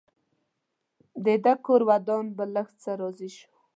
ده کور ودان په لږ څه راضي شو.